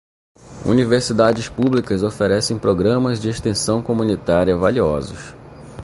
Universidades públicas oferecem programas de extensão comunitária valiosos.